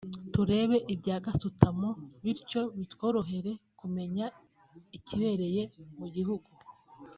turebe ibya za gasutamo bityo bitworohere kumenya ikibereye buri gihugu